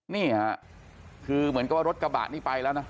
นี่ค่ะคือเหมือนกับว่ารถกระบะนี่ไปแล้วนะ